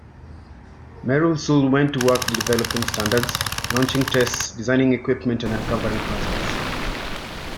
Merrill soon went to work developing standards, launching tests, designing equipment and uncovering hazards.